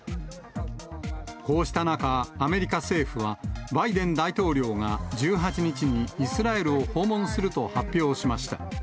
こうした中、アメリカ政府は、バイデン大統領が１８日にイスラエルを訪問すると発表しました。